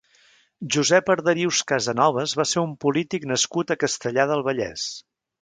Josep Arderius Casanovas va ser un polític nascut a Castellar del Vallès.